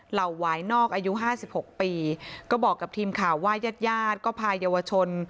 เห่าหวายนอกอายุห้าสิบหกปีก็บอกกับทีมข่าวว่ายาดก็พาเยาวชน